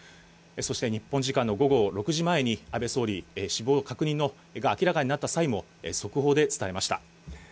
そして日本時間の午後６時前に、安倍総理、死亡確認が明らかになった際も速報で伝えました。